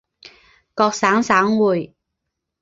各省省会。